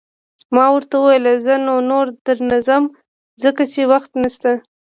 ما ورته وویل: زه نو، نور در نه ځم، ځکه چې وخت نشته.